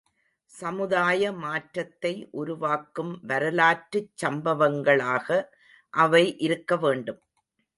சமுதாய மாற்றத்தை உருவாக்கும் வரலாற்றுச் சம்பவங்களாக அவை இருக்க வேண்டும்.